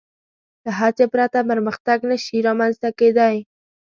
له هڅې پرته پرمختګ نهشي رامنځ ته کېدی.